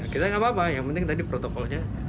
kita nggak apa apa yang penting tadi protokolnya